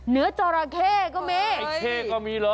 เนื้อจราเข้ก็มี